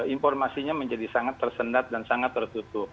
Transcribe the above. informasinya menjadi sangat tersendat dan sangat tertutup